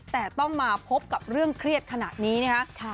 แต่ต้องมาพบกับเรื่องเครียดขนาดนี้นะคะ